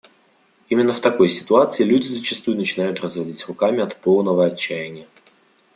Именно в такой ситуации люди зачастую начинают разводить руками от полного отчаяния.